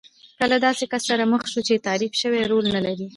که له داسې کس سره مخ شو چې تعریف شوی رول نه لرو.